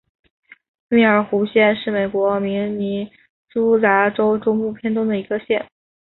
密尔湖县是美国明尼苏达州中部偏东的一个县。